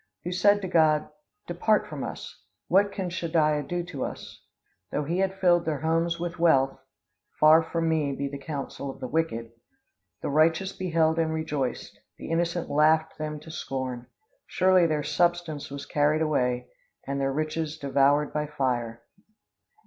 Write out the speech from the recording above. Who said to God, Depart from us, What can Shaddai do to us? Though he had filled their houses with wealth. (Far from me be the counsel of the wicked!) The righteous beheld and rejoiced, The innocent laughed them to scorn, Surely their substance was carried away, And their riches devoured by fire."